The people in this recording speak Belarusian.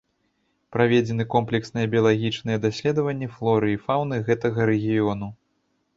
Праведзены комплексныя біялагічныя даследаванні флоры і фауны гэтага рэгіёну.